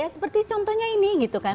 seperti contohnya ini